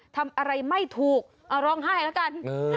ทำอะไรไม่ถูกเอาร้องไห้แล้วกัน